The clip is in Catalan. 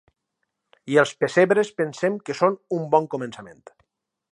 I els pessebres pensem que són un bon començament.